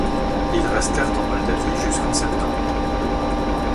Ils restèrent en Moldavie jusqu'en septembre.